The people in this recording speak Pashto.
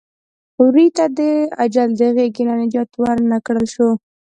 وري ته یې د اجل د غېږې نه نجات ور نه کړلی شو.